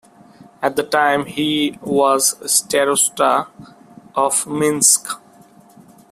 At the time he was starosta of Minsk.